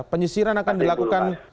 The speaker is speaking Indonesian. penyisiran akan dilakukan